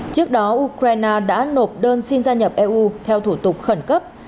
trước đó ukraine đã nộp đơn xin gia nhập eu theo thủ tục khẩn cấp